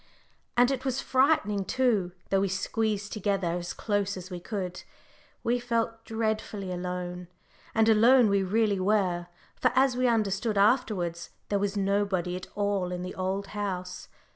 And it was frightening, too: though we squeezed together as close as we could, we felt dreadfully alone. And alone we really were; for, as we understood afterwards, there was nobody at all in the Old House.